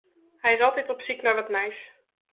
Hy is altyd op syk nei wat nijs.